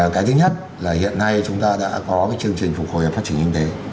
cái thứ nhất là hiện nay chúng ta đã có cái chương trình phục hồi và phát triển kinh tế